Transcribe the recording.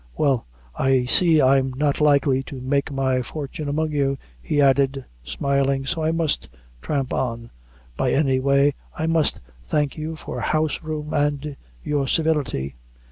Well, I see I'm not likely to make my fortune among you," he added, smiling, "so I must tramp on, but any way, I must thank you for house room and your civility."